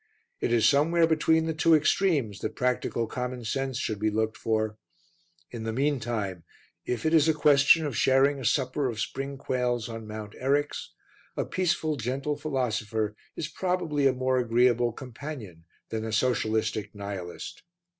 It is somewhere between the two extremes that practical commonsense should be looked for. In the meantime, if it is a question of sharing a supper of spring quails on Mount Eryx, a peaceful, gentle philosopher is probably a more agreeable companion than a socialistic nihilist.